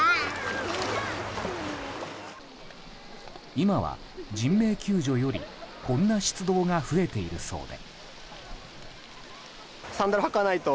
今は人命救助よりこんな出動が増えているそうで。